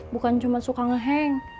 bukan cuma suka ngeheng